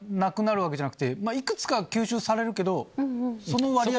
いくつか吸収されるけど割合。